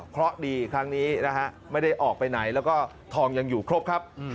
เพราะดีครั้งนี้นะฮะไม่ได้ออกไปไหนแล้วก็ทองยังอยู่ครบครับ